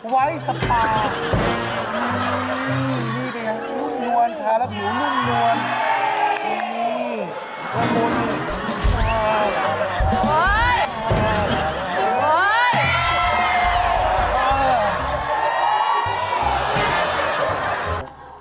นี่เหมือนกันนุ่นนวนค่ะแล้วหนูนุ่นนวน